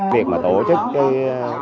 việc mà tổ chức cái